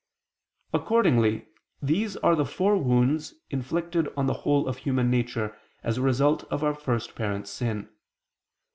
Accordingly these are the four wounds inflicted on the whole of human nature as a result of our first parent's sin.